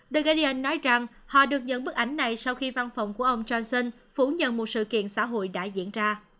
dageria nói rằng họ được nhận bức ảnh này sau khi văn phòng của ông johnson phủ nhận một sự kiện xã hội đã diễn ra